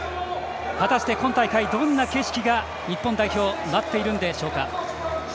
果たして今大会どんな景色が、日本代表待っているんでしょうか。